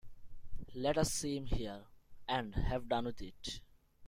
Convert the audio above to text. Let us see him here and have done with it.